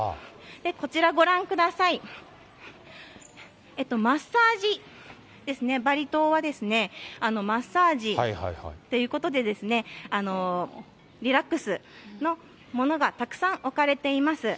こちらご覧ください、マッサージですね、バリ島はですね、マッサージということでですね、リラックスのものがたくさん置かれています。